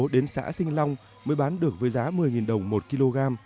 đến xã sinh long mới bán được với giá một mươi đồng một kg